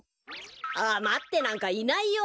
あまってなんかいないよ。